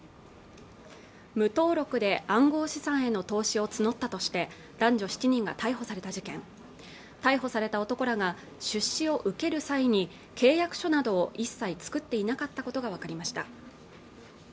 無登録で暗号資産への投資を募ったとして男女７人が逮捕された事件逮捕された男らが出資を受ける際に契約書などを一切作っていなかったことが分かりました